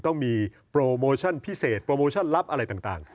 ต้องมีโปรโมเซ็นต์พิเศษโปรโมเซ็นต์ลับอะไรต่าง